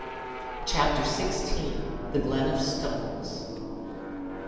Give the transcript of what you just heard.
Chapter XVI. The Glen of Stones.